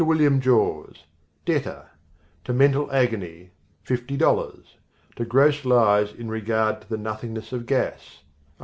WILLIAM JAWS DEBTOR To mental agony $50.00 To gross lies in regard to the nothingness of gas 100.